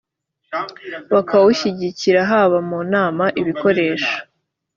bakawushyigikira haba mu nama ibikoresho